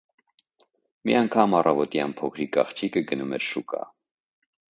Մի անգամ առավոտյան փոքրիկ աղջիկը գնում էր շուկա։